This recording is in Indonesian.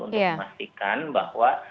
untuk memastikan bahwa